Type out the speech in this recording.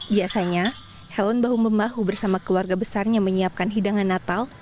biasanya helen bahu membahu bersama keluarga besarnya menyiapkan hidangan natal